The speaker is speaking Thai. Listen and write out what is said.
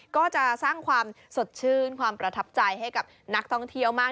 ก็จะสร้างความสดชื่นความประทับใจให้กับนักท่องเที่ยวมาก